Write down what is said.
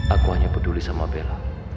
aku hanya peduli sama bella